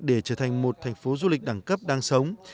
để trở thành một thành phố du lịch đẳng cấp đang sống